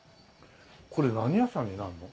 これ何屋さんになるの？